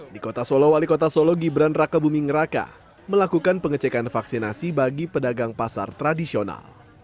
di kota solo wali kota solo gibran raka buming raka melakukan pengecekan vaksinasi bagi pedagang pasar tradisional